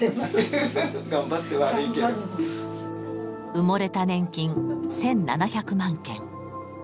埋もれた年金１，７００万件。